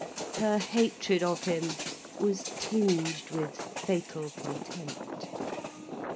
Her hatred of him was tinged with fatal contempt.